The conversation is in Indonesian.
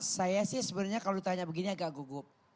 saya sih sebenarnya kalau ditanya begini agak gugup